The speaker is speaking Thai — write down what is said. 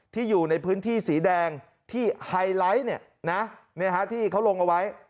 อยู่ในพื้นที่สีแดงที่ไฮไลท์ที่เขาลงเอาไว้